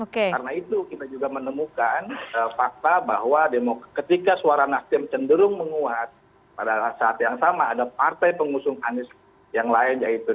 karena itu kita juga menemukan fakta bahwa ketika suara nasdem cenderung menguat pada saat yang sama ada partai pengusung anis yang lain yaitu demokrat cenderung menurun karena ada tarik menarik masa pemilih anis antara kedua partai tersebut